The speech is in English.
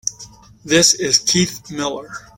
This is Keith Miller.